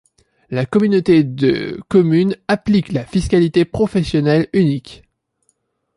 La communauté de communes applique la fiscalité professionnelle unique.